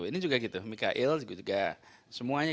ini juga gitu mikael juga semuanya